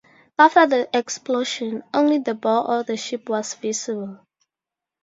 After the explosion, only the bow of the ship was visible.